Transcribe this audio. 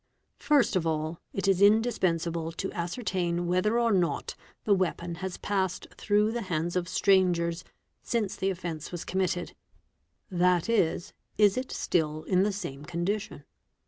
First of all, it is indispensable to ascertain whether or not the weapon has passed through the hands of strangers since the offence was comnnitted ; that is, is it still in the same condition?